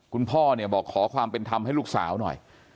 คุณพ่อเนี่ยบอกขอความเป็นธรรมให้ลูกสาวหน่อย